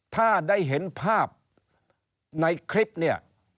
ถ้าได้เห็นภาพในคลิปเนี่ย